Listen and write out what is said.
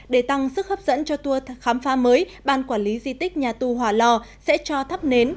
để tăng sức hấp dẫn cho tour khám phá mới ban quản lý di tích nhà tù hòa lò sẽ cho thắp nến